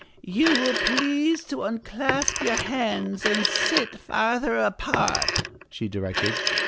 "You will please to unclasp your hands and sit farther apart," she directed.